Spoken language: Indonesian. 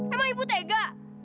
emang ibu tega